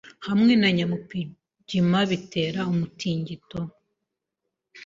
hamwe na nyamugigima bitera umutingito